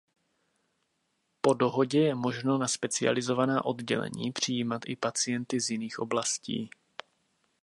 Po dohodě je možno na specializovaná oddělení přijímat i pacienty z jiných oblastí.